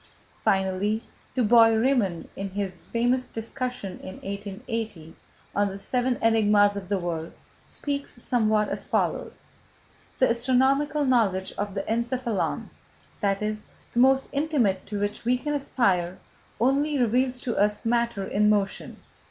Finally, Du Bois Reymond, in his famous discussion in 1880, on the seven enigmas of the world, speaks somewhat as follows: "The astronomical knowledge of the encephalon, that is, the most intimate to which we can aspire, only reveals to us matter in motion.